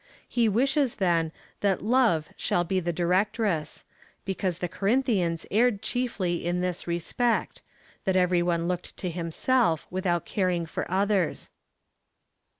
He wishes, then, that love shall be the directress ; because the Corinthians erred chiefly in this respect — that every one looked to himself w^ithout caring for others.